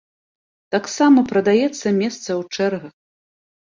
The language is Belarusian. Таксама прадаецца месца ў чэргах.